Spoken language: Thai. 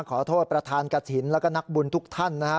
ขอโทษประธานกฐินแล้วก็นักบุญทุกท่านนะครับ